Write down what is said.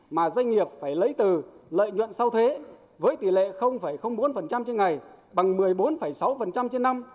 mà doanh nghiệp phải lấy từ lợi nhuận sau thế với tỷ lệ bốn trên ngày bằng một mươi bốn sáu trên năm